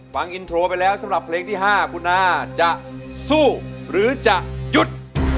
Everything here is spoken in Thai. ฟังอินโทรไปแล้วสำหรับเพลงที่๕คุณอาจะสู้หรือจะหยุด